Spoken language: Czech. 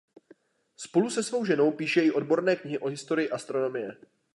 Spolu se svou ženou píše i odborné knihy o historii astronomie.